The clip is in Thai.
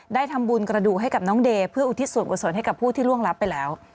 ได้ทำบุญกระดูกให้กับน้องเดย์เพื่ออุทิศส่วนกุศลให้กับผู้ที่ล่วงรับไปแล้ว